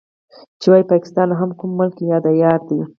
چې ووايي پاکستان هم کوم ملک يا ديار دی.